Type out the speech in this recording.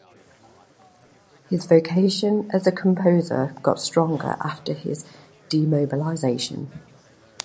His vocation as a composer got stronger after his demobilization.